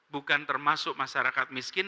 bukan termasuk masyarakat miskin